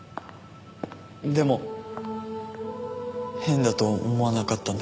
でも変だと思わなかったんですか？